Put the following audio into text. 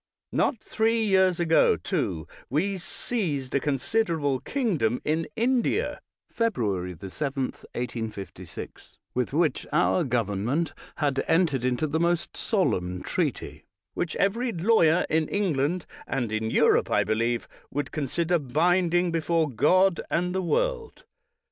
Not three years ago, too, we seized a considerable kingdom in India,^ with which our government had but recently entered into the most solemn treaty, which every lawyer in England and in Europe, I believe, would consider binding before God and the world.